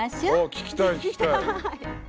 聞きたい！